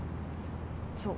そう。